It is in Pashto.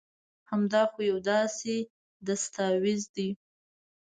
هم دا خو يو داسي دستاويز دي